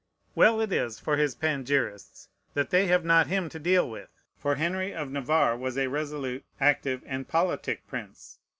Well it is for his panegyrists that they have not him to deal with! For Henry of Navarre was a resolute, active, and politic prince.